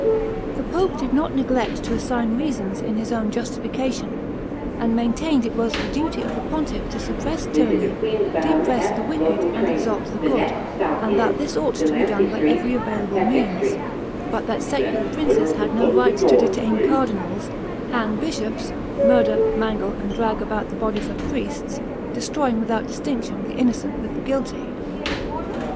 The pope did not neglect to assign reasons in his own justification, and maintained it was the duty of a pontiff to suppress tyranny, depress the wicked, and exalt the good; and that this ought to be done by every available means; but that secular princes had no right to detain cardinals, hang bishops, murder, mangle, and drag about the bodies of priests, destroying without distinction the innocent with the guilty.